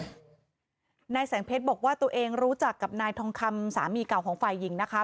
หน้าแสงเพชรบอกว่าตัวเองรู้จักกับตรงคำสามีเก่าของะฝ่าย๑้งนะครับ